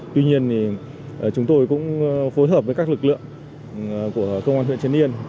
tuy nhiên chúng tôi cũng phối hợp với các lực lượng của công an huyện trấn yên